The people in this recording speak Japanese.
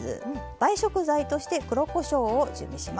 映え食材として黒こしょうを準備します。